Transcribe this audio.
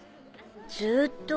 ずっと？